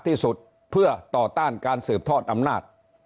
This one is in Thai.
ที่สุดเพื่อต่อต้านการสืบทอดอำนาจ